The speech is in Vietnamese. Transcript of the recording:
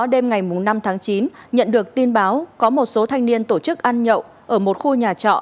đêm ngày năm tháng chín nhận được tin báo có một số thanh niên tổ chức ăn nhậu ở một khu nhà trọ